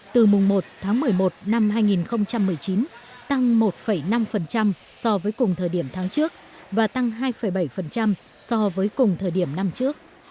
từ mùng một tháng một mươi một năm hai nghìn một mươi chín tăng một năm so với cùng thời điểm tháng trước và tăng hai bảy so với cùng thời điểm năm trước